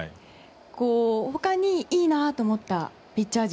他にいいなと思ったピッチャー陣